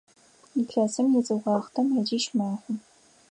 Илъэсым изыуахътэ мэзищ мэхъу.